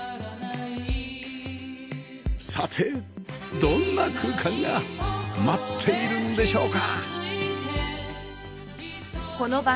さてどんな空間が待っているんでしょうか？